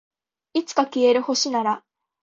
いつか消える星なら